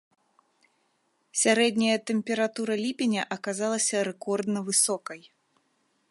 Сярэдняя тэмпература ліпеня аказалася рэкордна высокай.